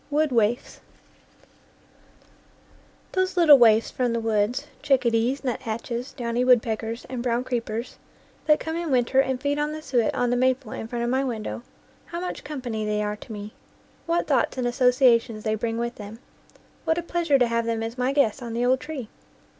WOOD WAIFS Those little waifs from the woods chickadees, nuthatches, downy woodpeckers, and brown creep 40 NEW GLEANINGS IN OLD FIELDS ers that come in winter and feed on the suet on the maple in front of my window, how much com pany they are to me! What thoughts and associa tions they bring with them! What a pleasure to have them as my guests on the old tree!